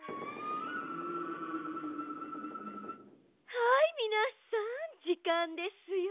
はいみなさんじかんですよ。